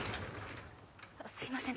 すいません